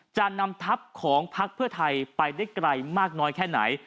จะนำทัพของพักเพื่อไทยไปได้ไกลมากน้อยแค่ไหน